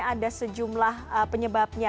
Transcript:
ada sejumlah penyebabnya